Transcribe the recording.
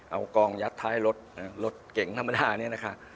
เอากองยัดท้ายรถรถเก่งธรรมดาเนี่ยนะคะ